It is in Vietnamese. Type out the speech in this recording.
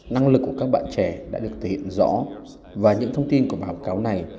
năng lực của các bạn trẻ đã được thể hiện rõ và những thông tin của bản báo cáo này